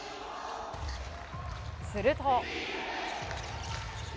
すると。